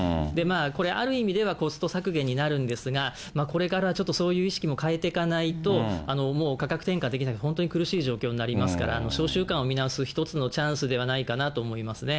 これある意味では、コスト削減になるんですが、これからちょっとそういう意識も変えていかないと、もう価格転嫁できなくて本当に苦しい状況になりますから、商習慣を見直す一つのチャンスではないかなと思いますね。